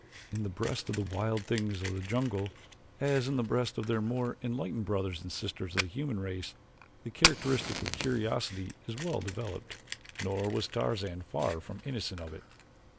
In the breast of the wild things of the jungle, as in the breasts of their more enlightened brothers and sisters of the human race, the characteristic of curiosity is well developed. Nor was Tarzan far from innocent of it.